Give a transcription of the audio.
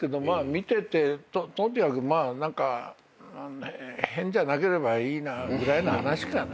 見ててとにかくまあ何か変じゃなければいいなぐらいな話かな。